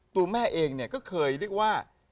ตัวแม่เองเนี่ยก็เคยเรียกว่า